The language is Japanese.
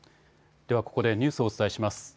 ではここでニュースをお伝えします。